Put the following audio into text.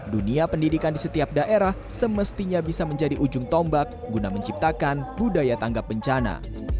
dunia pendidikan di setiap daerah semestinya bisa menjadi ujung tombak guna menciptakan budaya tanggap bencana